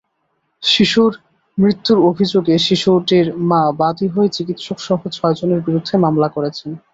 শিশুর মৃত্যুর অভিযোগে শিশুটির মা বাদী হয়ে চিকিৎসকসহ ছয়জনের বিরুদ্ধে মামলা করেছেন।